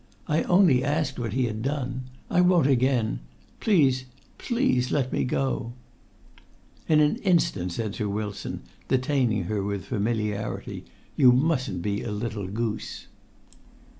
I only asked what he had done. I won't again. Please—please let me go!" "In an instant," said Sir Wilton, detaining her with familiarity. "You mustn't be a little goose."